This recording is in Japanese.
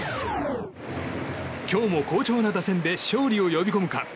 今日も好調な打線で勝利を呼び込むか。